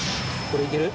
これいける？